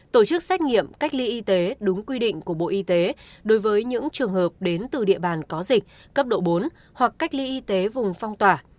tổ chức xét nghiệm cách ly y tế đúng quy định của bộ y tế đối với những trường hợp đến từ địa bàn có dịch cấp độ bốn hoặc cách ly y tế vùng phong tỏa